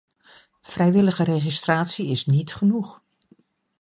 Vrijwillige registratie is niet genoeg.